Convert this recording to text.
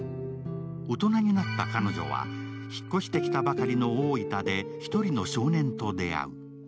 大人になった彼女は引っ越してきたばかりの大分で１人の少年と出会う。